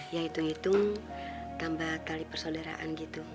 ya hitung hitung tambah tali persaudaraan gitu